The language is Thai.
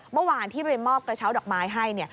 เมื่อวานที่ไปมอบกระเช้าดอกไม้ให้